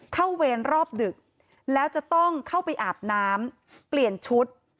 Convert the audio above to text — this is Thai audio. เวรรอบดึกแล้วจะต้องเข้าไปอาบน้ำเปลี่ยนชุด